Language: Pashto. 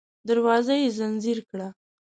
دروازه يې ځنځير کړه.